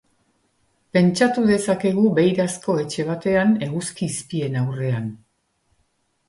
Pentsatu dezakegu beirazko etxe batean eguzki izpien aurrean.